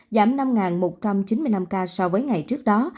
giảm năm một trăm chín mươi năm ca so với ngày trước đó